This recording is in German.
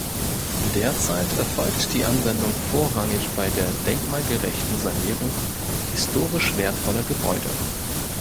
Derzeit erfolgt die Anwendung vorrangig bei der denkmalgerechten Sanierung historisch wertvoller Gebäude.